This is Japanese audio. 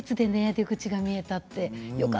出口が見えたってよかったですね。